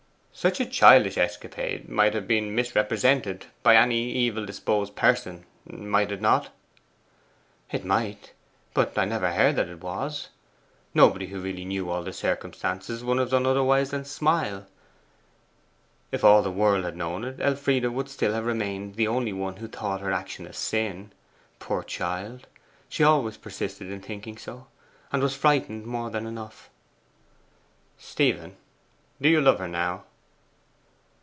'Such a childish escapade might have been misrepresented by any evil disposed person, might it not?' 'It might; but I never heard that it was. Nobody who really knew all the circumstances would have done otherwise than smile. If all the world had known it, Elfride would still have remained the only one who thought her action a sin. Poor child, she always persisted in thinking so, and was frightened more than enough.' 'Stephen, do you love her now?